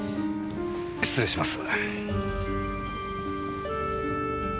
失礼します。